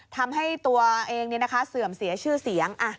ทำให้ตัวเองเสื่อมเสียชื่อเสียง